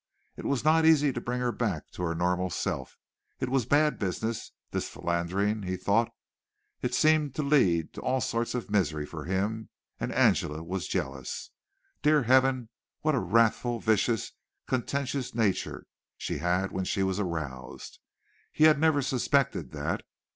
It was not easy to bring her back to her normal self. It was bad business, this philandering, he thought. It seemed to lead to all sorts of misery for him, and Angela was jealous. Dear Heaven! what a wrathful, vicious, contentious nature she had when she was aroused. He had never suspected that.